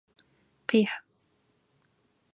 Къихь!